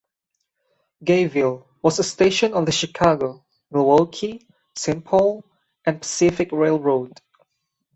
Gayville was a station on the Chicago, Milwaukee, Saint Paul and Pacific Railroad.